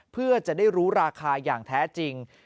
เพื่อจะได้รู้ราคาอย่างแท้จริง